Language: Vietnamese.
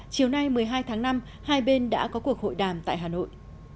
chiều nay một mươi hai tháng năm hai bên đã có cuộc hội đàm tại hà nội